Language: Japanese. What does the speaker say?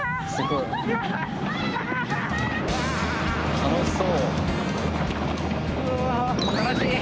楽しそう。